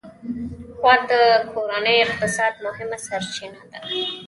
غوا د کورني اقتصاد مهمه سرچینه ده.